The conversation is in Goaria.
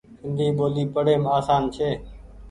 سندي ٻولي پڙيم آسان ڇي ۔